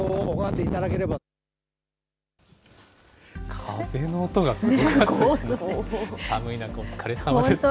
風の音がすごかったですね。